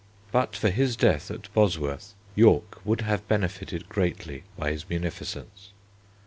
But for his death at Bosworth, York would have benefited greatly by his munificence.